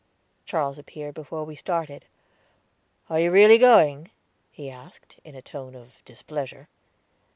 Charles appeared before we started. "Are you really going?" he asked, in a tone of displeasure.